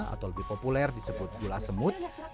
atau lebih populer disebut gula semut